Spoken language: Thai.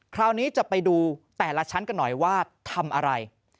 คราวนี้จะไปดูแต่ละชั้นกันหน่อยว่าทำอะไร